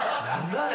あれ。